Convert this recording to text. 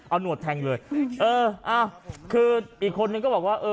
เอาหนวดแทงเลยเอออ้าวคืออีกคนนึงก็บอกว่าเออ